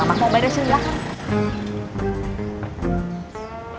mama mau medesin silakan